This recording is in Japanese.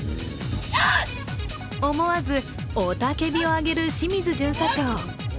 思わず雄たけびを上げる清水巡査長。